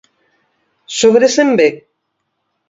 Sobres en be?